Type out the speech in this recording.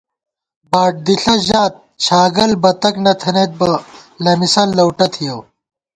باڈ دِݪہ ژات چھاگل بتَک نہ تھنَئیت بہ لَمِسَن لؤٹہ تھِیَؤ